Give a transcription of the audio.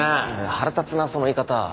腹立つなその言い方。